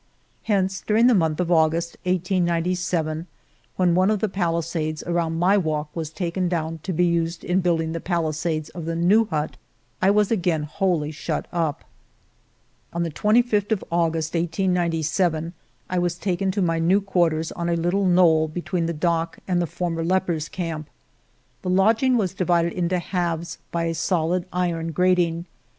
Hence during the month of August, 1897, when one of the palisades around my walk was taken down to be used in building the palisades of the new hut, I was again wholly shut up. X DEVIL'S ISLAND FROM AUGUST 25 1897, TO JUNE, 1899 ON the 25th of i^ugust, 1 897, 1 was taken to my new quarters on a little knoll between the dock and the former lepers* camp. The lodging was divided into halves by a solid iron grating.